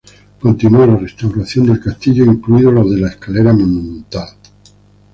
Continuó la restauración del castillo, incluidos los de la escalera monumental.